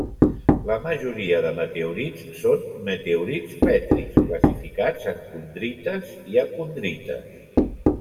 La majoria de meteorits són meteorits petris, classificats en condrites i acondrites.